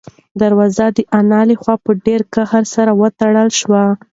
دروازه د انا له خوا په ډېر قهر سره وتړل شوه.